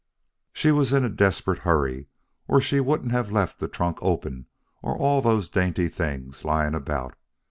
"She was in a desperate hurry, or she wouldn't have left the trunk open or all those dainty things lying about.